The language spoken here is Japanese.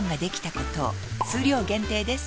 数量限定です